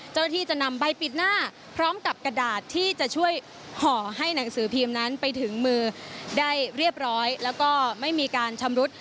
เจ้าหน้าที่จะนำใบปิดหน้าพร้อมกับกระดาษที่จะช่วยห่อให้หนังสือพิมพ์นั้นไปถึงมือได้เรียบร้อยแล้วก็ไม่มีการชำรุด